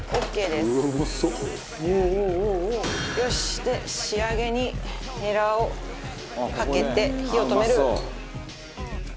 で仕上げにニラをかけて火を止める。